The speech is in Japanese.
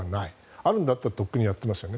あるんだったらとっくにやっていますよね。